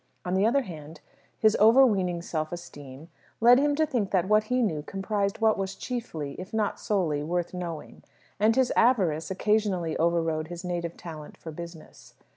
On the other hand, his overweening self esteem led him to think that what he knew comprised what was chiefly, if not solely, worth knowing, and his avarice occasionally overrode his native talent for business.